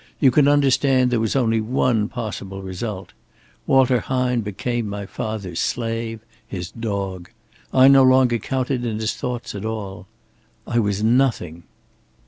You can understand there was only one possible result. Walter Hine became my father's slave, his dog. I no longer counted in his thoughts at all. I was nothing."